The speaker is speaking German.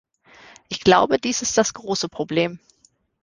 Ich glaube, dies ist das große Problem.